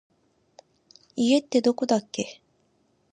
家ってどこだっけ